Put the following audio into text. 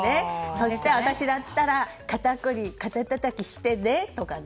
そして私だったら肩たたきしてねとかね。